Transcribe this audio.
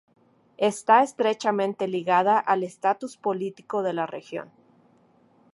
Está estrechamente ligada al estatus político de la región.